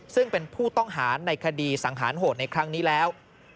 ซึ่งเป็นผู้ต้องหาในคดีสังหารโหดในครั้งนี้แล้ว